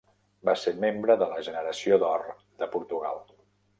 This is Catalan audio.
Va ser membre de la "Generació d'or de Portugal".